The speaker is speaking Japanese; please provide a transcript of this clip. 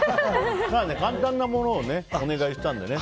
簡単なものをお願いしたのでね。